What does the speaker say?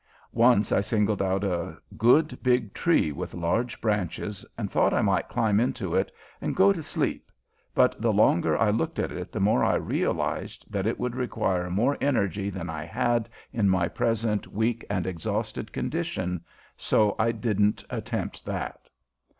Once I singled out a good big tree with large branches and thought I might climb into it and go to sleep, but the longer I looked at it the more I realized that it would require more energy than I had in my present weak and exhausted condition, so I didn't attempt that.